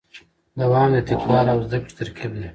دوام د تکرار او زدهکړې ترکیب دی.